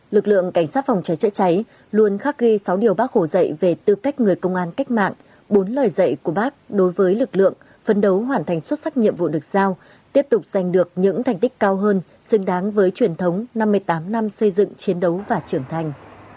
lực lượng cảnh sát phòng cháy chữa cháy luôn khắc ghi sáu điều bác hồ dạy về tư cách người công an cách mạng bốn lời dạy của bác đối với lực lượng phấn đấu hoàn thành xuất sắc nhiệm vụ được giao tiếp tục giành được những thành tích cao hơn xứng đáng với truyền thống năm mươi tám năm xây dựng chiến đấu và trưởng thành